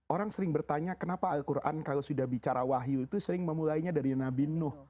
orang sering bertanya kenapa al quran kalau sudah bicara wahyu itu sering memulainya dari nabi nuh